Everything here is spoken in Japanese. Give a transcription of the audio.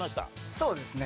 そうですね。